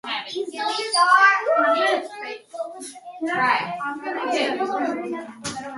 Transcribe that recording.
She is the niece of big band leader Woody Herman.